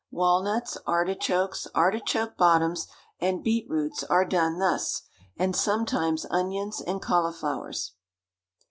Walnuts, artichokes, artichoke bottoms and beetroots are done thus, and sometimes onions and cauliflowers.